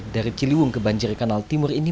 dari ciliwung ke banjir kanal timur ini